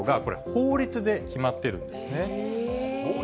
法律で決まってるんです。